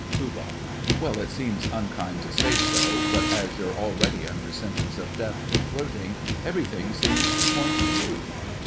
POOH. Well, it seems unkind to say so, but as you're already under sentence of death for flirting, everything seems to point to you.